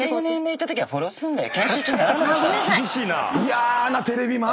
嫌なテレビマン！